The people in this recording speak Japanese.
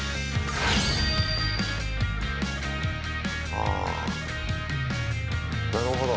ああ、なるほど。